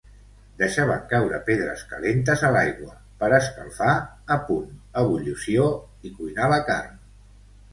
Deixaven caure pedres calentes a l'aigua per escalfar a punt ebullició i cuinar la carn.